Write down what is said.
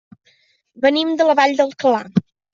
Venim de la Vall d'Alcalà.